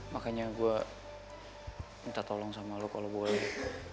makanya gue minta tolong dia